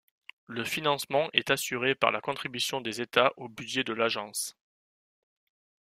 Le financement est assuré par la contribution des États au budget de l’agence.